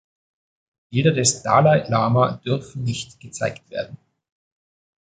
Bilder des Dalai Lama dürfen nicht gezeigt werden.